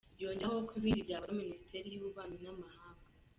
yongeraho ko ibindi byabazwa Minisiteri y’ububanyi n’amahanga.